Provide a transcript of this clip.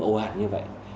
ồ hạt như vậy